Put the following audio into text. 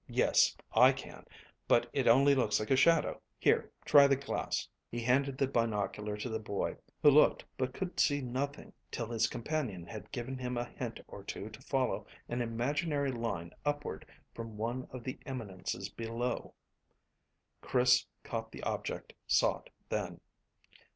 Yes: I can, but it only looks like a shadow. Here, try the glass." He handed the binocular to the boy, who looked but could see nothing till his companion had given him a hint or two to follow an imaginary line upward from one of the eminences below. Chris caught the object sought then.